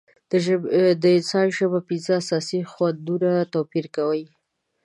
د انسان ژبه پنځه اساسي خوندونه توپیر کوي.